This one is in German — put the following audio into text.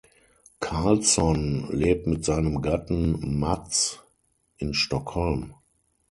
Carlsson lebt mit seinem Gatten Mats in Stockholm.